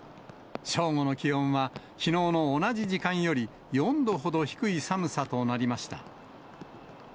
正午の気温は、きのうの同じ時間より４度ほど低い寒さとなりました。